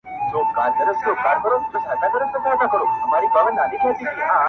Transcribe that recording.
مامي سړو وینو ته اور غوښتی-